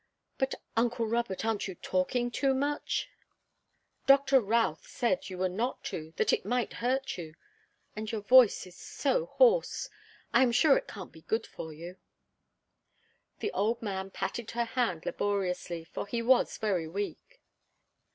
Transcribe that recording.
"But, uncle Robert, aren't you talking too much? Doctor Routh said you were not to that it might hurt you. And your voice is so hoarse! I am sure it can't be good for you." The old man patted her hand laboriously, for he was very weak.